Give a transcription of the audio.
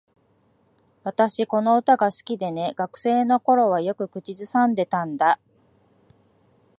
私、この歌が好きでね。学生の頃はよく口ずさんでたんだ。